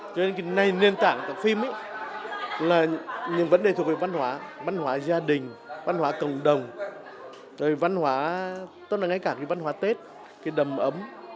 nên cái nền tảng của phim là những vấn đề thuộc về văn hóa văn hóa gia đình văn hóa cộng đồng văn hóa tết đầm ấm